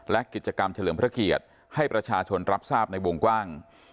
และกิจกรรมเฉลิมพระเกียรติให้ประชาชนรับทราบในวงกว้าง